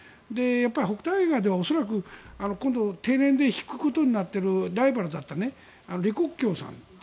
北戴河では恐らく、今度定年で引くことになっているライバルだった李克強さん。